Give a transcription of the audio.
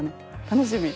楽しみ。